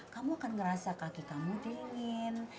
kamu akan ngerasa kaki kamu dingin